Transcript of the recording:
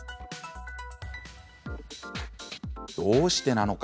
どうしてなのか